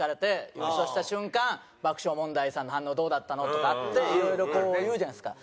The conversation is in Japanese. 「優勝した瞬間爆笑問題さんの反応どうだったの？」とかっていろいろ言うじゃないですか。